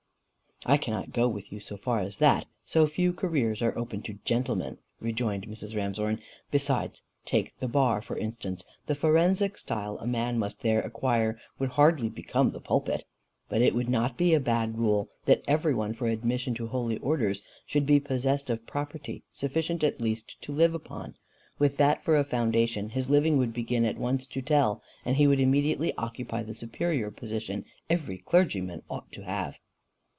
"I cannot go with you so far as that so few careers are opened to gentlemen," rejoined Mrs. Ramshorn. "Besides take the bar, for instance: the forensic style a man must there acquire would hardly become the pulpit. But it would not be a bad rule that everyone, for admission to holy orders, should be possessed of property sufficient at least to live upon. With that for a foundation, his living would begin at once to tell, and he would immediately occupy the superior position every clergyman ought to have."